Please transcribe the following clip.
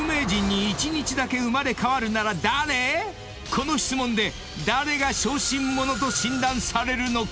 ［この質問で誰が小心者と診断されるのか？］